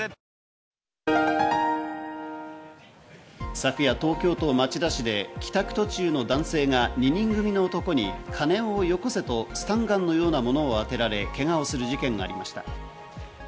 昨夜、東京都町田市で帰宅途中の男性が２人組の男に金をよこせとスタンガンのようなものを当てられ、けがをする事件がありました。